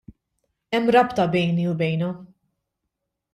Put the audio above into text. Hemm rabta bejni u bejnha.